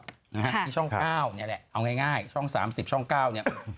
ที่ช่อง๙นี่แหละเอาง่ายช่อง๓๐ช่อง๙เนี่ย